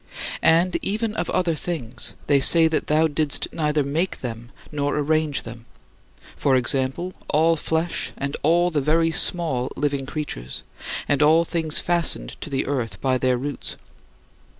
And, even of other things, they say that thou didst neither make them nor arrange them for example, all flesh and all the very small living creatures, and all things fastened to the earth by their roots.